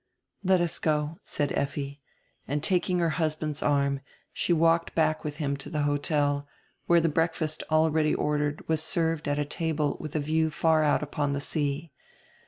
"Let us go," said Effi, and, taking her husband's arm, she walked back widi him to the hotel, where die breakfast already ordered was served at a table widi a view far out upon die sea.